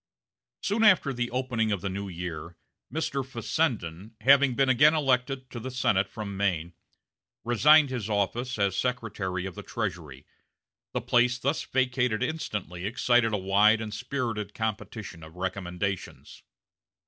Soon after the opening of the new year, Mr. Fessenden, having been again elected to the Senate from Maine, resigned his office as Secretary of the Treasury. The place thus vacated instantly excited a wide and spirited competition of recommendations.